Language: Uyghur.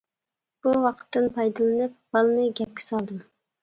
بۇ ۋاقىتتىن پايدىلىنىپ بالىنى گەپكە سالدىم.